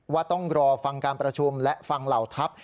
ว่าต้องรอฟังการประชุมและฟังเหล่าทัพ